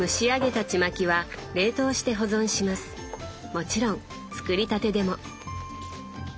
もちろん作りたてでも。